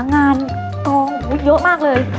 งานเยอะมากเลย